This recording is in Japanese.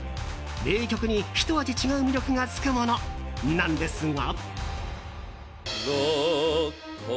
名曲に、ひと味違う魅力がつくものなんですが。